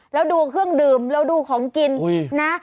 แล้วดูเครื่องดื่มแล้วดูของกินนะ